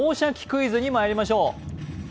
クイズ」にまいりましょう。